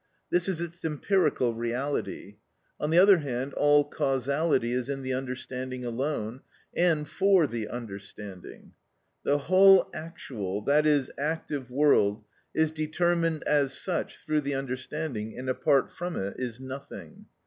This is its empirical reality. On the other hand, all causality is in the understanding alone, and for the understanding. The whole actual, that is, active world is determined as such through the understanding, and apart from it is nothing.